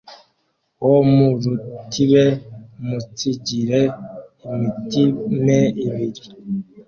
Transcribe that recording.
wo mu rutibe umunsigire imitime ibiri